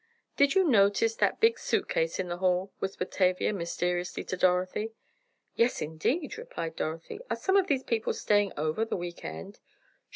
"Did you notice that big suit case in the hall?" whispered Tavia, mysteriously to Dorothy. "Yes, indeed," replied Dorothy. "Are some of these people staying over the week end?"